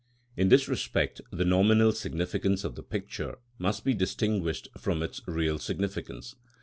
In this respect the nominal significance of the picture must be distinguished from its real significance.